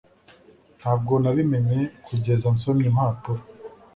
Ntabwo nabimenye kugeza nsomye impapuro